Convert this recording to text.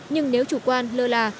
nhưng nếu chủ quan lơ là